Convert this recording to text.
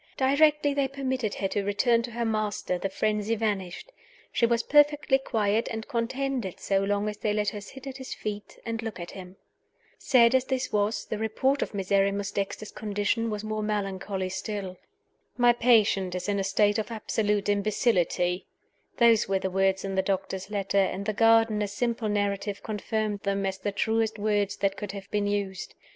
Directly they permitted her to return to her master the frenzy vanished: she was perfectly quiet and contented so long as they let her sit at his feet and look at him. Sad as this was, the report of Miserrimus Dexter's condition was more melancholy still. "My patient is in a state of absolute imbecility" those were the words in the doctor's letter; and the gardener's simple narrative confirmed them as the truest words that could have been used.